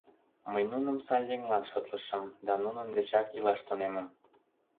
Мый нуным сай еҥлан шотлышым да нунын дечак илаш тунемым.